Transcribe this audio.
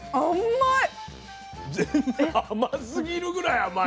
甘すぎるぐらい甘い。